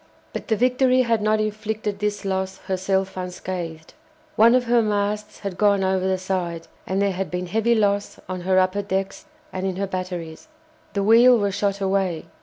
But the "Victory" had not inflicted this loss herself unscathed. One of her masts had gone over the side, and there had been heavy loss on her upper decks and in her batteries. The wheel was shot away.